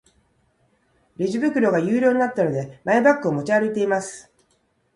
レジ袋が有料になったので、マイバッグを持ち歩いています。